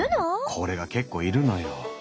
これが結構いるのよほら。